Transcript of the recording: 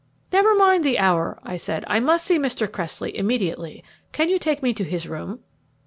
"Never mind the hour," I said; "I must see Mr. Cressley immediately. Can you take me to his room?"